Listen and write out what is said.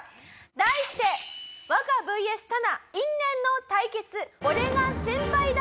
題してワカＶＳタナ因縁の対決俺が先輩だ！！